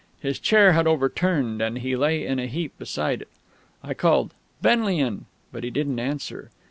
His chair had overturned, and he lay in a heap beside it. I called "Benlian!" but he didn't answer....